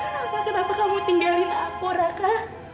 kenapa kenapa kamu tinggalin aku raka